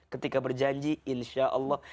ketika berjanji insya allah